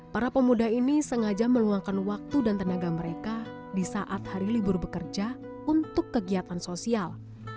para pemuda ini sengaja meluangkan waktu dan tenaga mereka di saat hari libur bekerja untuk kegiatan sosial